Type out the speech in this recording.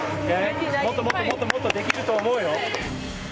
もっともっともっともっとできると思うよ。